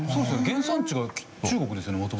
原産地が中国ですよね元々。